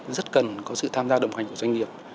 rất cần có sự tham gia đồng hành của doanh nghiệp